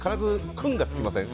君が付きません？